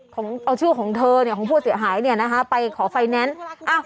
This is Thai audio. ของเอาชื่อของเธอเนี่ยของผู้เสียหายเนี่ยนะคะไปขอไฟแนนซ์อ้าว